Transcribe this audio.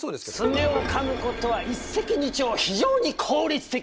爪をかむことは一石二鳥非常に効率的なんじゃ！